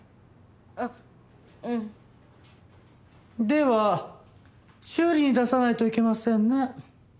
では修理に出さないといけませんね。